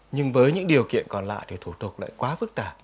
nhưng với những điều kiện còn lại thì thủ tục lại quá phức tạp